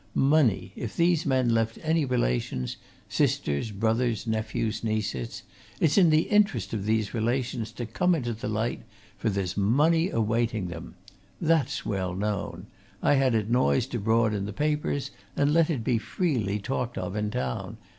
"Money! If these men left any relations sisters, brothers, nephews, nieces it's in the interest of these relations to come into the light, for there's money awaiting them. That's well known I had it noised abroad in the papers, and let it be freely talked of in town.